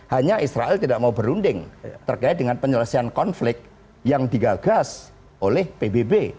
hanya israel tidak mau berunding terkait dengan penyelesaian konflik yang digagas oleh pbb